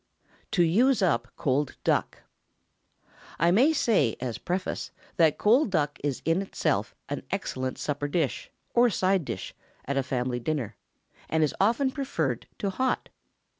TO USE UP COLD DUCK. ✠ I may say, as preface, that cold duck is in itself an excellent supper dish, or side dish, at a family dinner, and is often preferred to hot.